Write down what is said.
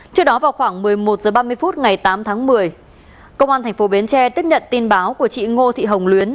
trước đó vào khoảng một mươi một h ba mươi phút ngày tám tháng một mươi công an tp bến tre tiếp nhận tin báo của chị ngô thị hồng luyến